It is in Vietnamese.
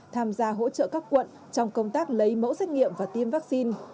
tham gia hỗ trợ các quận trong công tác lấy mẫu xét nghiệm và tiêm vaccine